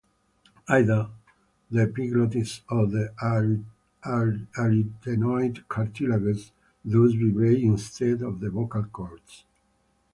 Either the epiglottis or the arytenoid cartilages thus vibrate instead of the vocal cords.